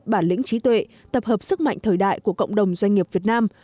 bản lĩnh trí tuệ tập hợp sức mạnh thời đại của cộng đồng doanh nghiệp việt nam